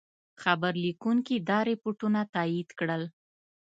خبرلیکونکي دا رپوټونه تایید کړل.